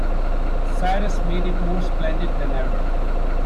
Cyrus made it more splendid than ever.